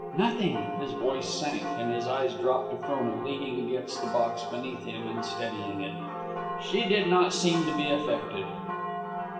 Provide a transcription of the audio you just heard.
"Nothing." His voice sank, and his eyes dropped to Frona, leaning against the box beneath him and steadying it. She did not seem to be affected.